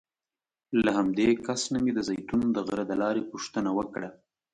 له همدې کس نه مې د زیتون د غره د لارې پوښتنه وکړه.